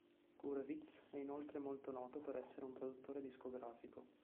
Gurewitz è inoltre molto noto per essere un produttore discografico.